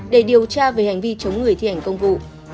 để điều tra về hành vi chống người thi hành công vụ